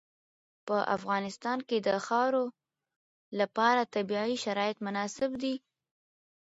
په افغانستان کې د خاوره لپاره طبیعي شرایط مناسب دي.